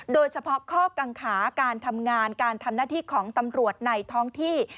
โดยเฉพาะข้อกังขาการทำงานการทำหน้าที่ของตำรวจในท้องที่